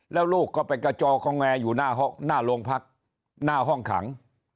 แล้วลูกก็ไปกระจอคองแงอยู่หน้าโรงพักหน้าห้องขัง